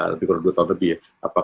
lebih kurang dua tahun lebih ya